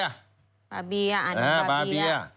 บาร์เกย์อันนี้บาร์เกย์